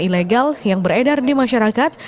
ilegal yang beredar di masyarakat